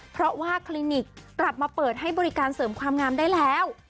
เพราะว่าคลินิกกลับมาเปิดให้บริการเสริมความงามได้แล้ว